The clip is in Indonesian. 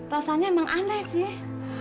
rasanya emang aneh sih